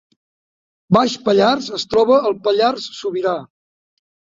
Baix Pallars es troba al Pallars Sobirà